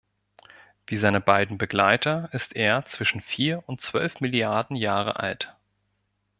Wie seine beiden Begleiter ist er zwischen vier und zwölf Milliarden Jahre alt.